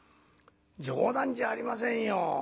「冗談じゃありませんよ。